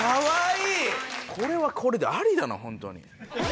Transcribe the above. これはこれでありだなホントに。